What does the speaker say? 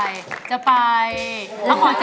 แก้มขอมาสู้เพื่อกล่องเสียงให้กับคุณพ่อใหม่นะครับ